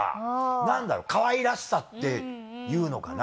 何だろうかわいらしさっていうのかな。